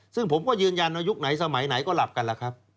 ซึ่งผมก็ยืนยันว่ายุคไหนสมัยไหนก็หลับกันแล้วครับ